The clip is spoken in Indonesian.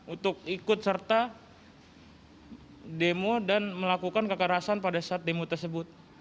untuk ikut serta demo dan melakukan kekerasan pada saat demo tersebut